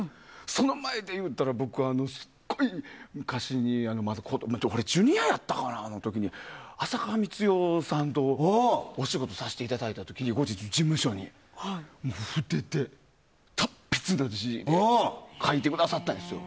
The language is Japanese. その前で言ったら僕、すごい昔に俺、Ｊｒ．やったかな、の時に浅香光代さんとお仕事させていただいた時に後日、事務所に筆で達筆な字で書いてくださったんですよ。